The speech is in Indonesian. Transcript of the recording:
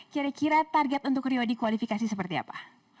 kira kira target untuk rio di kualifikasi seperti apa